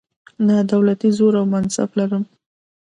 نه دولتي زور او منصب لرم.